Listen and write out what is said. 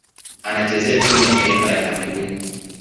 Anachezea timu ya taifa ya Kamerun.